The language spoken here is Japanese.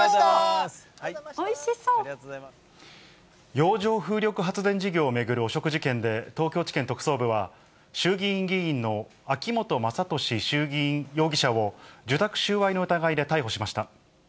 洋上風力発電事業を巡る汚職事件で、東京地検特捜部は、衆議院議員の秋本真利容疑者を受託収賄の疑いで逮捕しました。